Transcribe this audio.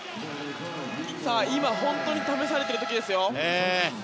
今、本当に試されている時です。